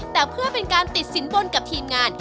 แต่เพื่อเป็นการติดสินบนกับทีมงาน